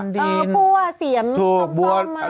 ภั่วเสี่ยมต้องฟังมา